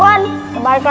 sebagai contoh ya kamu imam